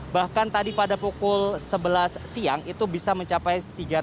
bahkan tadi pada pukul sebelas siang itu bisa mencapai tiga ratus